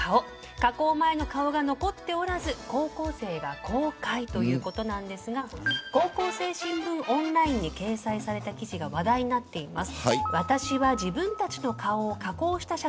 加工前の顔が残っておらず高校生が後悔ということなんですが高校生新聞ＯＮＬＩＮＥに掲載された記事が話題になっています。